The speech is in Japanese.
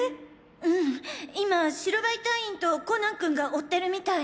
うん今白バイ隊員とコナン君が追ってるみたい。